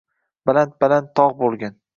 Baland-baland tog‘ bo‘lgin